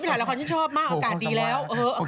อากาศดีแล้ว